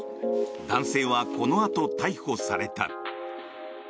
男性はこのあと、逮捕された。